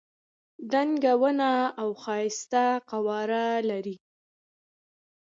دنګه ونه او ښایسته قواره لري.